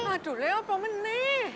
aduh leh apa ini